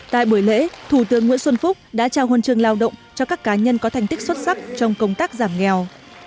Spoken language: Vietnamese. tại buổi lễ thủ tướng nguyễn xuân phúc đã trao huân trường lao động cho các cá nhân có thành tích xuất sắc trong công tác giảm nghèo